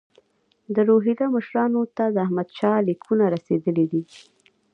د روهیله مشرانو ته د احمدشاه لیکونه رسېدلي دي.